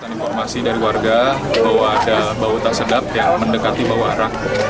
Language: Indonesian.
informasi dari warga bahwa ada bau tak sedap yang mendekati bawah arah